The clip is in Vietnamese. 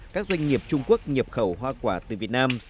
các doanh nghiệp trung quốc nhập khẩu hoa quả từ việt nam